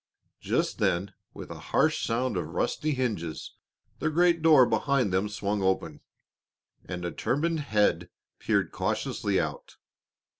Just then with a harsh sound of rusty hinges the great door behind them swung open, and a turbaned head peered cautiously out.